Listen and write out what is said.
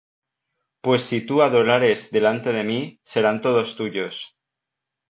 Pues si tú adorares delante de mí, serán todos tuyos.